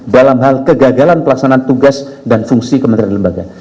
dalam hal kegagalan pelaksanaan tugas dan fungsi kementerian lembaga